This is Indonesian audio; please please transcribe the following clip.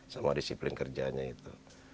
sama disiplin kerjanya itu